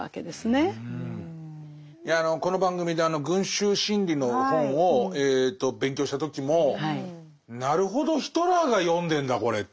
いやこの番組で群衆心理の本を勉強した時もなるほどヒトラーが読んでんだこれっていう。